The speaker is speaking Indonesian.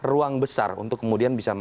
ruang besar untuk kemudian bisa